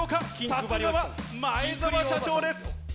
さすがは前澤社長です！